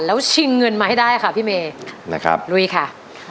แล้วชิงเงินมาให้ได้ค่ะพี่เมย์นะครับลุยค่ะ